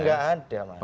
enggak ada mas